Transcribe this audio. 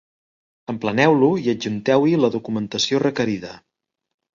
Empleneu-lo i adjunteu-hi la documentació requerida.